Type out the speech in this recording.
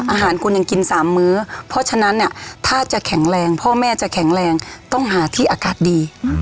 อาหารคุณยังกิน๓มื้อเพราะฉะนั้นเนี่ยถ้าจะแข็งแรงพ่อแม่จะแข็งแรงต้องหาที่อากาศดี